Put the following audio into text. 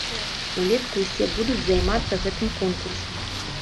Улетку ўсе будуць займацца гэтым конкурсам.